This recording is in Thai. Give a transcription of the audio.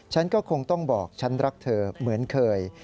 ฉันก็คงต้องบอกฉันรักเธอเหมือนเคย